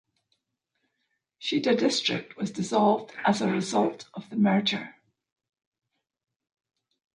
Shida District was dissolved as a result of the merger.